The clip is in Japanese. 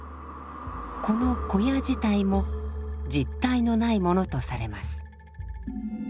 この小屋自体も実体のないものとされます。